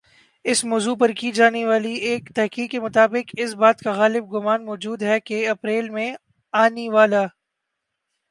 اس موضوع پر کی جانی والی ایک تحقیق کی مطابق اس بات کا غالب گمان موجود ہی کہ اپریل میں آنی والا